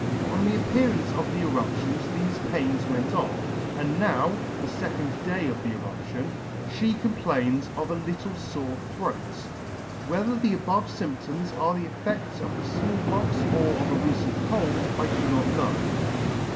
On the appearance of the eruption thefe pains went off, and now (the fecond day of the eruption) fhe complains of a little fore throat. Whether the above fymptoms are the effects of the Small Pox or a recent cold, I do not know.